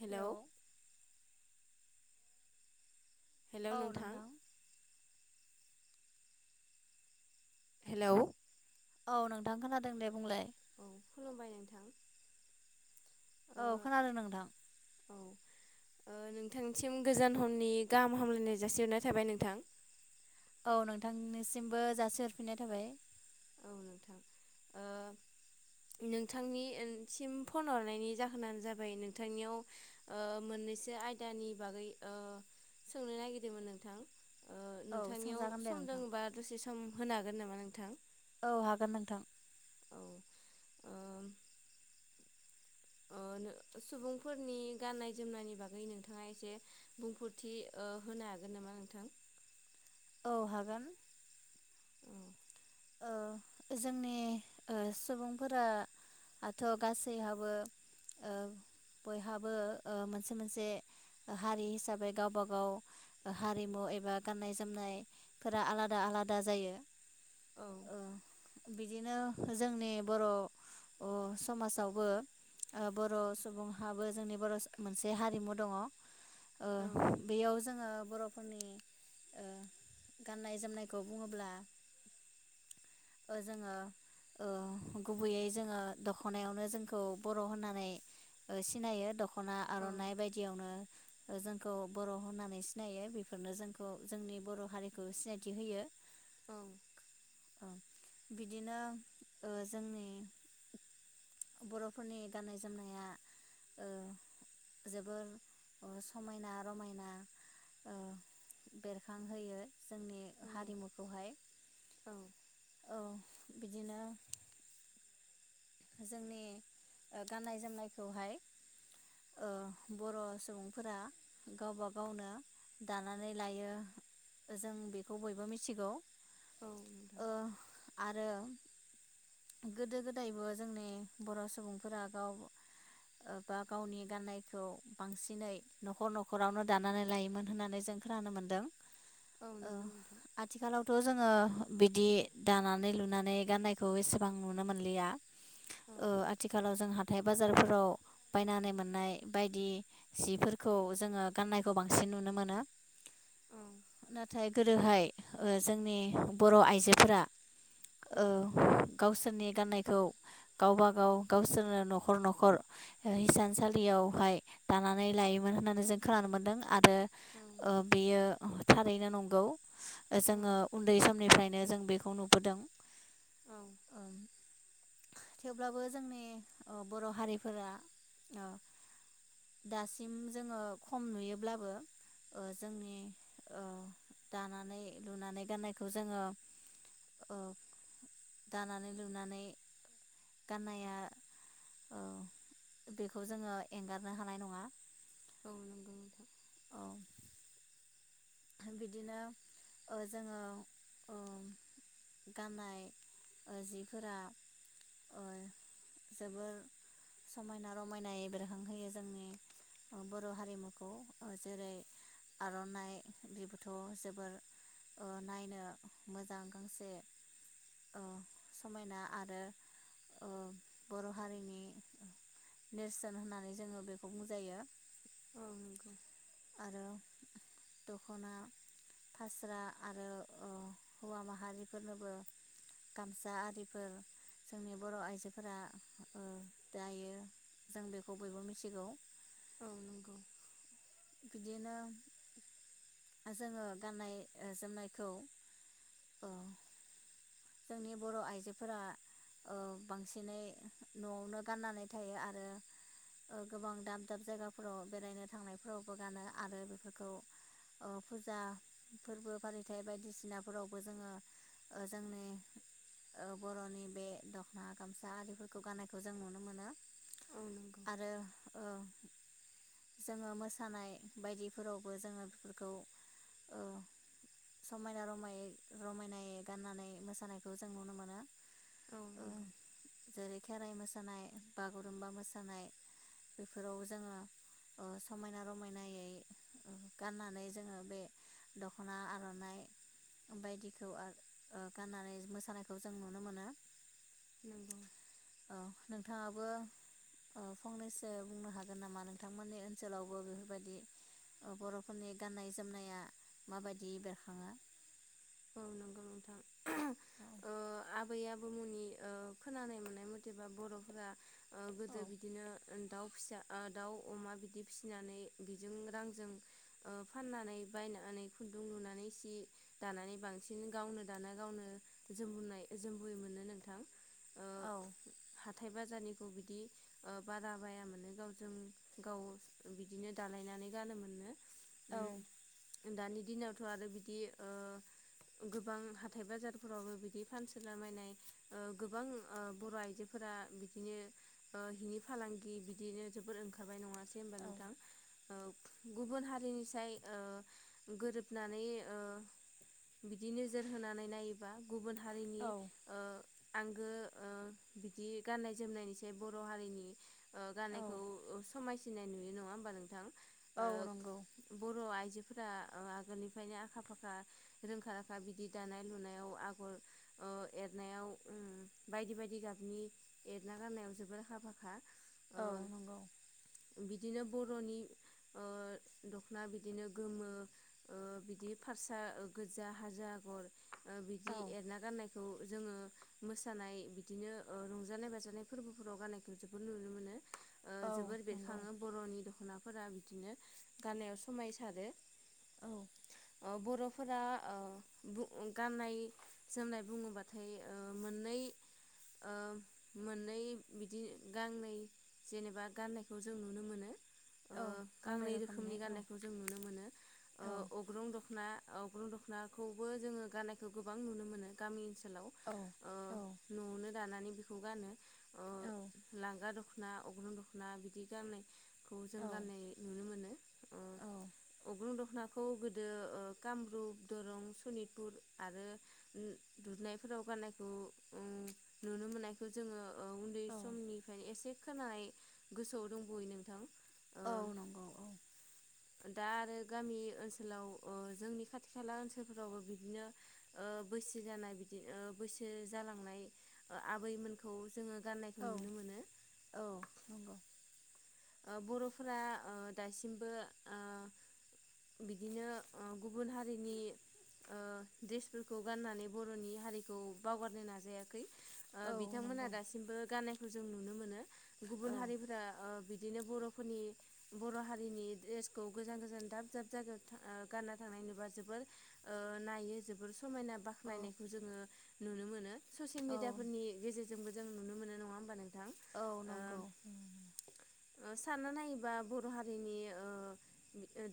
Hello hello hello नोंथां hello औ नोंथां खोनादों दे बुंलाय औ खुलुमबाय नोंथां ओ औ खोनादों नोंथां औ ओ नोंथांसिम गोजान हरनि गाहाम हामलायनाय जासिहरनाय थाबाय नोंथां औ नोंथांनिसिमबो जासिहरफिननाय थाबाय औ नोंथां ओ नोंथांनि ओनसिम फन हरनायनि जाहोनानो जाबाय नोंथांनियाव ओ मोननैसो आयदानि बागै ओ सोंनो नागिरदोंमोन नोंथां ओ औ नोंथांनियाव सोंजागोन दे सम नोंथां दङबा दसे सम होनो हागोन नामा नोंथां? औ हागोन नोंथां औ ओम ओ नो सुबुंफोरनि गाननाय जोमनायनि बागै नोंथाङा एसे बुंफोरथि ओ होनो हागोन नामा नोंथां? औ हागोन औ ओ जोंनि ओ सुबुंफोराथ' गासैहाबो ओ बयहाबो ओ मोनसे मोनसे हारि हिसाबै गावबा गाव हारिमु एबा गाननाय जोमनायफोरा आलादा आलादा जायो औ ओ बिदिनो जोंनि बर' अ समाजावबो ओ बर सुबुंहाबो जोंनि बर मोनसे हारिमु दङ' ओ औ बेयाव जोङो बर' फोरनि ओ गाननाय जोमनायखौ बुङोब्ला ओ जोङो ओ गुबैयै जोङो दखनायावनो जोंखौ बर' होननानै सिनायो दख खना आरनाय बायदियावनो जोंखौ बर होननानै सिनायो बेफोरनो जोंखौ जोंनि बर हारिखौ सिनायथि होयो। औ अ बिदिनो ओ जोंनि बरफोरनि गाननाय जोमनाया ओ जोबोर समायना रमायना ओ बेरखांहोयो जोंनि हारिमुखौहाय औ बिदिनो जोंनि गाननाय जोमनायखौहाय ओ बर सुबुंफोरा गावबा गावनो दानानै लायो जों बेखौ बयबो मिथिगौ ओ औ नोंथां आरो रो गोदो गोदायबो जोंनि बर सुबुंफोरा गाव बा गावनि गाननायखौ बांसिनै नखर नखरावनो दानानै लायोमोन होननानै जों खोनानो मोन्दों औ नंगौ नोंथां जोङो बिदि दानानै लुनानै गाननायखौ एसेबां नुनो मोनलिया औ ओ आथिखालाव जोंहा हाथाय बाजारफोराव बायनानै मोननाय बायदि सिफोरखौ जोङो गाननायखौ बांसिन नुनो मोनो औ नाथाय गोदोहाय जोंनि बर आइजोफोरा औ ओ गावसोरनि गाननायखौ गावबा गाव गावसोरनो नखर नखर हिसानसालियावहाय दानानै लायोमोन होननानै जों खोनानो मोन्दों आरो ओ बियो थारैनो नंगौ जोङो उन्दै समनिफ्रायनो जों बेखौ नुबोदों औ थेवब्लाबो जोंनि बर हारिफोरा दासिम जोङो खम नुयोब्लाबो ओ जोंनि दानानै लुनानै गाननायखौ जोङो ओ दानानै लुनानै गाननाया ओ बेखौ जोङो एंगारनो हानाय नङा औ नंगौ नोंथां औ बिदिनो जोङो गाननाय जिफोरा जोबोर समायना रमायनाय बेरखांहोयो जोंनि बर हारिमुखौ जेरै आरनाइ बेबोथ जोबोर ओ नायनो मोजां गांसे ओ समायना आरो ओ बर हारिनि नेरसोन होननानै जोङो बेखौ बुंजायो औ नंगौ आरो दखना फास्रा आरो ओ हौवा माहारिफोरनोबो गामसा आरिफोर जोंनि बर आइजोफोरा ओ दायो जों बेखौ बयबो मिथिगौ औ नंगौ बिदिनो जोङो गाननाय जोमनायखौ अ जोंनि बर आइजोफोरा बांसिनै ओ नआवनो गाननानै थायो आरो गोबां दाब दाब जायगाफोराव बेरायनो थांनायफोरावबो गानो आरो बेफोरखौ ओ फुजा फोरबो फालिथायाइ बायदिसिनाफोरावबो जोङो ओ जोंनि ओ बरनि बे दखना गामसा आरिफोरखौ गाननायखौ जों नुनो मोनो औ नंगौ आरो ओ जोङो मोसानाय बायदिफोरावबो जोङो बेफोरखौ ओ समायना रमायै रमायनायै गाननानै मोसा नायखौ जों नुनो मोनो औ ओ नंगौ जेरै खेराइ मोसानाय बागुरुमबा मोसानाय बेफोराव जोङो ओ समायना रमायनायै ओ गाननानै जोङो बे दखना आरनाइ बायदिखौ आर ओ गाननानै मोसानायखौ जों नुनो मोनो नंगौ औ नोंथाङाबो ओ फंनैसो बुंनो हागोन नामा नोंथांमोननि ओनसोलावबो बेफोरबायादि ओ बरफोरनि गान्नाय जोमनाया माबायदि बेरखाङो औ नंगौ नोंथां औ ओ आ बै आबौ मुनि ओ खोनानाय मोननाय मथेबा बरफोरा ओ गोदो बिदिनो दाउ फिसा दाउ अमा बिदि फिसिनानै बेजों रांजों ओ फाननानै बायनानै खुन्दुं लुनानै सि दानानै बांसिन गावनो दाना गावनो जोमबुनाय जोमबुयोमोननो नोंथां ओ औ हाथाय बाजारनिखौ बिदि ओ बारा बायामोननो गावजों गाव बिदिनो दालायनानै गानोमोननो औ उम दानि दिनावथ' आरो बिदि ओ गोबां हाथाय बाजारफोरावबो बिदि फानसोलाबायनाय ओ गोबां ओ बर' आइजोफोरा बिदिनो ओ हिनि फालांगि बिदिनो जोबोर ओंखारबाय नङा सै ओनबा नोंथां ओ - गुबुन हारिनिसाय ओ गोरोबनानै ओ बिदि नोजोर होनानै नायोबा गुबुन हारिनि ओ आंगो ओ बिदि गाननाय जोमनायनि एसे बर' हारिनि ओ औ गाननायखौ समाय सिननाय नुयो नङा होमबा नोंथां? औ नंगौ। फोरा आगोलनिफ्रायनो आखा फाखा रोंखा राखा बिदि दानाय लुनायाव आगर ओ एरनायाव ओम बायदि बायदि गाबनि एरना गाननायाव जबोर आखा फाखा औ ओ नंगौ। बिदिनो बरनि ओ द'खना बिदिनो गोमो ओ बिदि फारसा ओ गोजा हाजो आगर - औ बिदि एरना गाननायखौ जोङो मोसानाय बिदिनो रंजानाय बाजानाय फोरबोफोराव गाननायखौ जोबोर नुनो मोनो ओ औ जोबोर नंगौ बेरखाङो बर'नि द'खना फोरा बिदिनो गाननायाव समायसारो औ ओ बर' फोरा ओ बु गाननाय जोमनाय बुङोबाथाय ओ मोननै मोननै बिदि गांनै जेनेबा गाननायखौ जों नुनो मोनो। ओ गांनै रोखोमनि गान्नायखौ जों नुनो मोनो औ अग्रं द'खना अग्रं द'खनाखौबो जोङो गाननायखौ गोबां नुनो मोनो गामि ओनसोल लाव औ औ न'आवनो दानानै बेखौ गानो। ओ लांगा द'ख द'खना अग्रुं द'खना बिदि गाननाय खौ औ जों गाननाय नुनो मोनो। ओ औ। अग्रं द'खनाखौ गोदो ओ कामरुप दरं सनितपुर आरो ओम‌ दुदनायफोराव गाननायखौ ओम नुनो मोननायखौ जोङो उन्दै औ समनिफ्रायनो एसे खोनाय गोसोआव दंबयो नोंथां। औ। दा आरो गामि ओनसोलाव ओ जोंनि खाथि खाला ओनसोलफोरावबो बिदिनो ओ बैसो जानाय बिदि बैसो जालांनाय आबैमोनखौ जोङो गाननायखौ नुनो मोनो। औ नंगौ ओ बरफोरा ओ दासिमबो आ बिदिनो ओ गुबुन हारिनि ओ ड्रेसफोरखौ गाननानै बरनि हारिखौ बावगारनो नाजायाखै ओ औ बिथांमोना नंगौ दासिमबो गाननाय जों नुनो मोनो। गुबुन औ हारिफोरा ओ बिदि बिदिनो बरफोरनि बर हारिनि ड्रेसखौ गोजान गोजान दाब दाब जायगायाव था ओ गानना थांनाय नुबा जोबोर नायो जोबोर सम। समायना औ बाख्नायनायखौ जोङो नुनो मोनो। ससियेल औ मिडियाफोरनि गेजेरजों जों बो जों नुनो मोनो नङा होमबा नों थां औ ओ। नंगौ ओ सानना नायोब्ला बर हारिनि ओ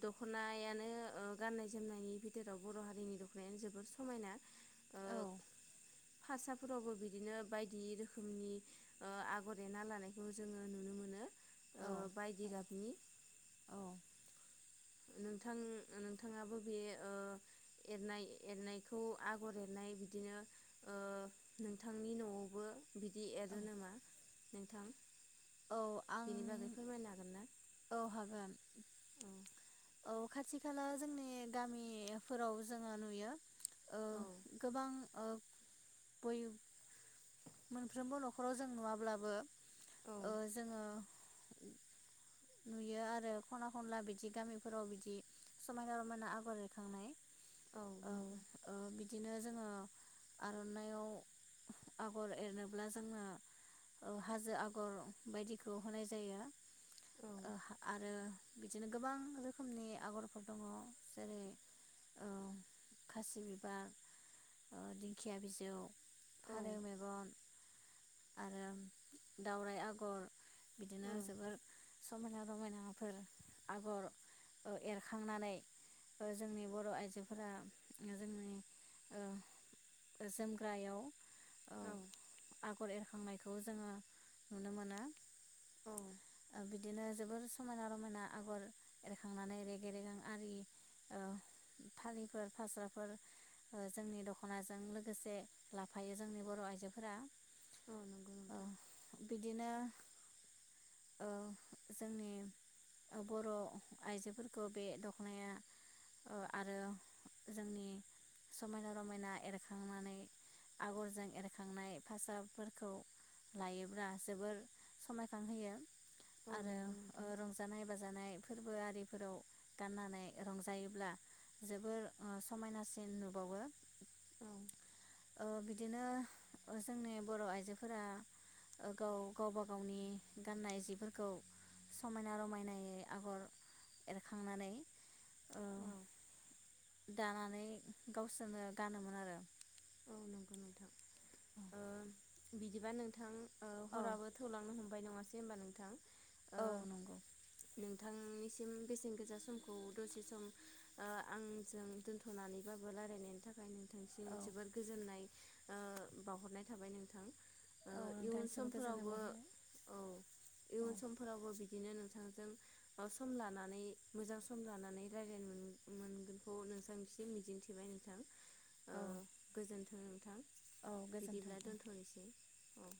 दखनायानो ओ गाननाय जोमनायनि भिथोराव बर हारिनि दखनायानो जोबोर समायना। औ। भासाफोरावबो बिदिनो बायदि रोखोमनि आगर एना लानायखौ जोङो नुनो मोनो औ बायदि नंगौ गाबनि औ नोंथां नोंथाङाबो बे एरनाय एर एरनायखौ आगर एरनाय बिदिनो नोंथांनि न'आवबो बिदि एरो औ नामा नोंथां। औ आं बेनि बागै फोरमायनो हागोन ना औ हागोन। औ औ खाथि खाला जोंनि गामिफोराव जोङो नुयो गोबां ओ बै मोनफ्रोमबो न'खराव जों नुवाब्लाबो औ औ ओ जोङो नुयो आरो खना खनला बिदि गामिफोराव बिदि समायना रमायना आगर एरखांनाय औ औ बिदि। बिदिनो जोङो आर'नाइाव आगर एरनोब्ला जोङो हाजो आगर बायदिखौ होनाय जायो। औ आरो बिदिनो गोबां रोखोमनि आगरफोर दङ जेरै खासि बिबार दिंखिया बिजौ फारै मेगन आरो दावराइ आगर बिदिनो ओं जोबोर समायना रमायनाफोर आगर एरखांनानै जोंनि बर' आइजोफोरा जोंनि जोमग्रायाव औ आ। आगर एरखांनायखौ जोङो नुनो मोनो औ। ओ बिदिनो जोबोर समायना रमायना आगर एरखांनानै रेगे रेगें आरि फालिफोर फास्राफोर जोंनि दख'नाजों लोगोसे लाफायो जोंनि बर' आइजोफोरा औ नंगौ नोंथां बिदिनो ओ। जोंनि बर' आइजोफोरखौ बे दख'नाया आरो जोंनि समायना रमायना एरखांनानै आगरजों एरखांनाय फारसाफोरखौ लायोब्ला जोबोर समायखांहोयो। औ नंगौ नोंथां आरो रंजानाय बाजानाय फोरबो आरिफोराव गाननानै रंजायोब्ला जोबोर समायनासिन नुबावो औ बिदिनो जोंनि बर' आइजोफोरा गाव गावबा गावनि गाननाय जिफोरखौ खौ समायना रमायनायै आगर एरखांनानै ओ दानानै गावसोरनो गानोमोन आरो। औ नंगौ नोंथां बिदिबा नोंथां। औ हराबो थौलांनो हम बाय नङासै होनबा नोंथां। औ ओं नंगौ नों थांनिसिम बेसेन गोसा समखौ दसे सम आंजों दोन्थ'नानैबाबो रायलायनायनि थाखाय नों औ गोजोननाय बावहरनाय थाबाय नोंथां। औ इयुन नोंथांनिसिम गोजोननाय समफोरावबो बावहरबाय औ औ इयुन समफोरावबो बि बिदिनो नोंथांजों सम लानानै मोजां सम लानानै रायज्लायनो मोनगोनखौ नोंथां बिसे मिजिंथिबाय नोंथां। ओ औ। गोजोन्थों नोंथां। औ गोजोन्थों बिदिब्ला दोन्थ'नोसै औ।